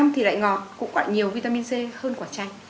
thì lại ngọt cũng quả nhiều vitamin c hơn quả chanh